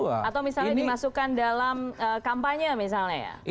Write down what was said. atau misalnya dimasukkan dalam kampanye misalnya ya